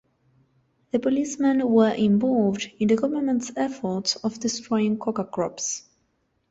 The policemen were involved in the government's efforts of destroying coca crops.